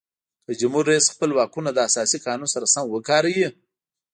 که جمهور رئیس خپل واکونه له اساسي قانون سره سم وکاروي.